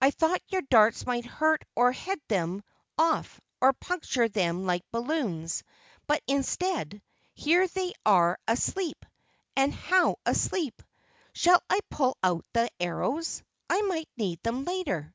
I thought your darts might hurt or head them off or puncture them like balloons, but instead here they are asleep, and How asleep! Shall I pull out the arrows? I might need them later."